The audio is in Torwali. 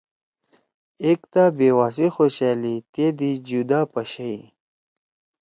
ایکتا بیوا سی خوشألی تے دی جُدا پَشَئی